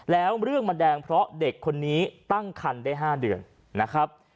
แล้วเรื่องมันแดงเพราะเด็กคนนี้ตั้งคันได้๕เดือนนะครับ